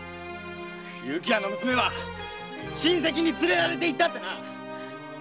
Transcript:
結城屋の娘は親類に連れられて行ったってな！